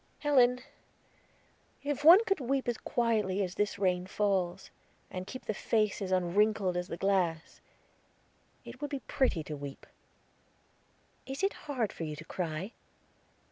"Helen, if one could weep as quietly as this rain falls, and keep the face as unwrinkled as the glass, it would be pretty to weep." "Is it hard for you to cry?"